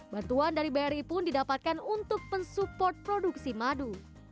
bantuan dari bri pun didapatkan untuk pensupport produksi madu